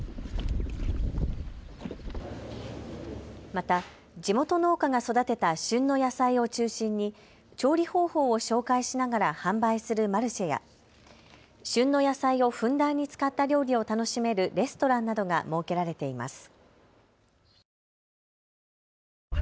また地元農家が育てた旬の野菜を中心に調理方法を紹介しながら販売するマルシェや旬の野菜をふんだんに使った料理を楽しめるレストランなどが設けられています。